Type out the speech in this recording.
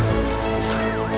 kan tidak ada api